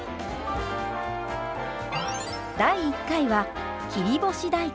第１回は切り干し大根。